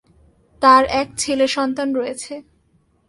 তার এক ছেলে সন্তান রয়েছে।